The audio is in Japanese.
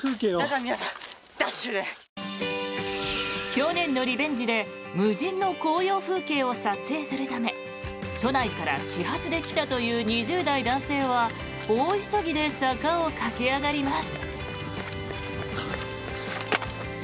去年のリベンジで無人の紅葉風景を撮影するため都内から始発で来たという２０代男性は大急ぎで坂を駆け上がります。